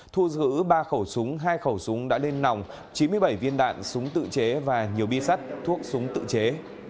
thu giữ ba khẩu súng hai khẩu súng đã lên nòng chín mươi bảy viên đạn súng tự chế và nhiều bi sắt thuốc súng tự chế